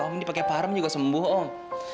om ini pakai parem juga sembuh om